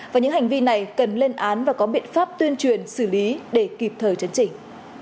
và những hành vi này cần lên án và có biện pháp tuyên truyền xử lý để kịp thời chấn chỉnh